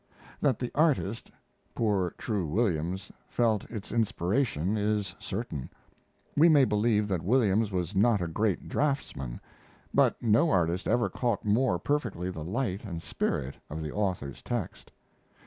That the artist, poor True Williams, felt its inspiration is certain. We may believe that Williams was not a great draftsman, but no artist ever caught more perfectly the light and spirit of the author's text.